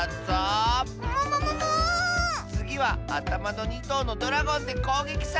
つぎはあたまの２とうのドラゴンでこうげきさ！